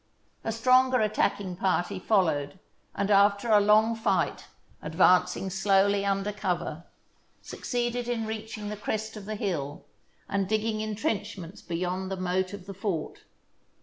A stronger attacking party followed, and after a long fight, advancing slowly under cover, succeeded in reaching the crest of the hill and dig ging intrenchments beyond the moat of the fort.